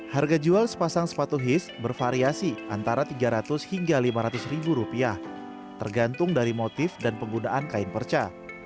harga jual sepasang sepatu his bervariasi antara tiga ratus hingga lima ratus ribu rupiah tergantung dari motif dan penggunaan kain perca